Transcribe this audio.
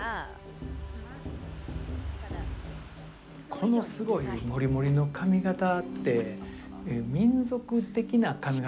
このすごい盛り盛りの髪形って民族的な髪形